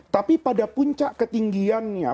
tapi pada puncak ketinggiannya